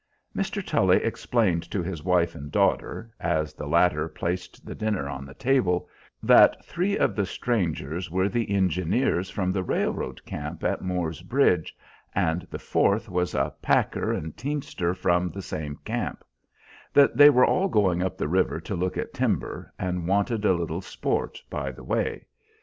Mr. Tully explained to his wife and daughter, as the latter placed the dinner on the table, that three of the strangers were the engineers from the railroad camp at Moor's Bridge, and the fourth was a packer and teamster from the same camp; that they were all going up the river to look at timber, and wanted a little sport by the way.